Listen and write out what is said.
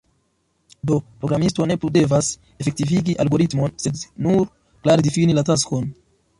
Do, programisto ne plu devas efektivigi algoritmon, sed nur klare difini la taskon.